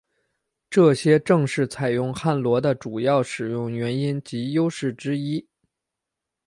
这些正是采用汉罗的主要使用原因及优势之一。